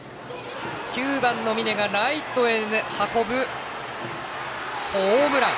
９番の峯がライトへ運ぶホームラン。